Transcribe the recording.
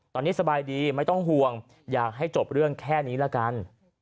ตอนนี้สบายดีไม่ต้องห่วงอยากให้จบเรื่องแค่นี้ละกัน